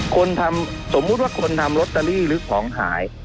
คนทำสมมุติว่าคนทำลอตเตอรี่หรือของหาย